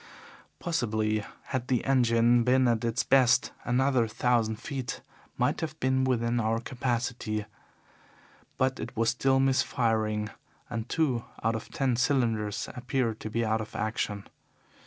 Possibly, had the engine been at its best, another thousand feet might have been within our capacity, but it was still misfiring, and two out of the ten cylinders appeared to be out of action.